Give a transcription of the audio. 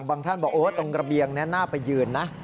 บางท่านบอกว่าตรงกระเบียงน่าไปยืนนะ